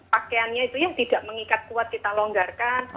pakaiannya itu yang tidak mengikat kuat kita longgarkan